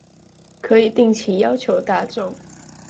可以定期要求大眾